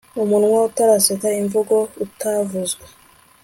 umunwa utaraseka, imvugo itavuzwe